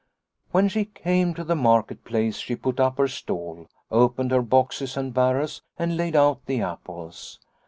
" When she came to the market place she put up her stall, opened her boxes and barrels and laid out the apples.